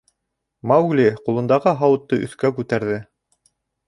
— Маугли ҡулындағы һауытты өҫкә күтәрҙе.